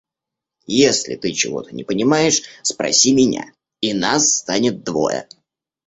Если ты чего-то не понимаешь, спроси меня и нас станет двое.